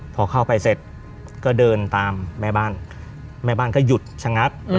พอเข้าไปเสร็จก็เดินตามแม่บ้านแม่บ้านก็หยุดชะงัก